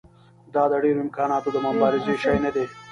دا د ډېرو امکاناتو د مبارزې شی نه دی.